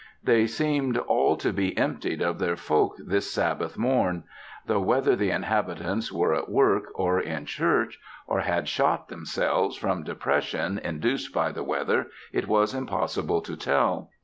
They seemed all to be emptied of their folk this Sabbath morn; though whether the inhabitants were at work, or in church, or had shot themselves from depression induced by the weather, it was impossible to tell.